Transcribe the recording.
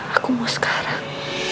aku mau sekarang